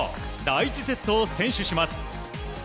第１セットを先取します。